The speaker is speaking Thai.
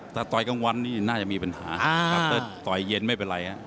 ถ้าต่อยกลางวันนี้น่าจะมีปัญหาแต่ก็ต่อยเย็นไม่เป็นไร